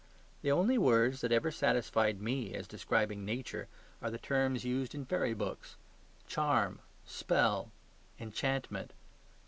The only words that ever satisfied me as describing Nature are the terms used in the fairy books, "charm," "spell," "enchantment."